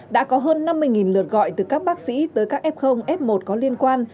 đã có hơn năm mươi lượt gọi từ các bác sĩ tới các f f một có liên quan